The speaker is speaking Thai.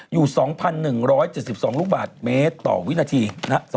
อยู่๒๑๗๒ลูกบาทเมตรต่อวินาที